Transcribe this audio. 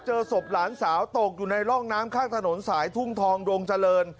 เจอศพหลานสาวตกอยู่ในร่องน้ำข้างถนนสายทุ่งทองดงเจริญ